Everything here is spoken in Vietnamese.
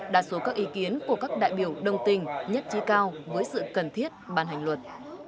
đa số các ý kiến của các đại biểu đồng tình nhất trí cao với sự cần thiết ban hành luật